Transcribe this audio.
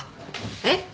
えっ！？